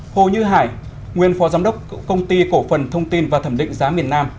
hồ như hải nguyên phó giám đốc công ty cổ phần thông tin và thẩm định giá miền nam